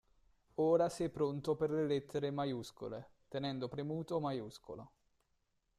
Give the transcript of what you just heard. Ora sei pronto per le lettere maiuscole, tenendo premuto maiuscolo.